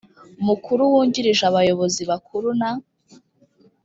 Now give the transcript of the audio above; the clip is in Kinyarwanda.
mukuru wungirije abayobozi bakuru na